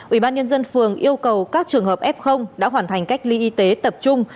ủy ban nhân dân phường yêu cầu các trường hợp f đã hoàn thành cách ly y tế tập trung